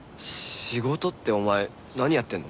仕事ってお前何やってんの？